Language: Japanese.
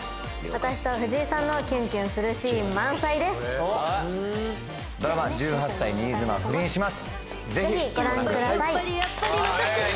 私と藤井さんのキュンキュンするシーン満載ですおっドラマ１８歳、新妻、不倫しま